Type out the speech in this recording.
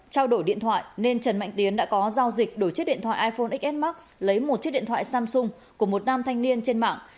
trần mạnh tiến đã có giao dịch đổi chiếc điện thoại iphone xs max lấy một chiếc điện thoại samsung của một nam thanh niên trên mạng